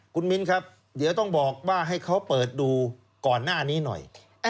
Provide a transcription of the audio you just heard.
คุณมิ้นครับเดี๋ยวต้องบอกว่าให้เขาเปิดดูก่อนหน้านี้หน่อย